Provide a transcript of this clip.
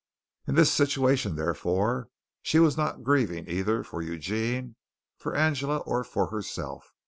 In this situation, therefore, she was not grieving either for Eugene, for Angela, or for herself.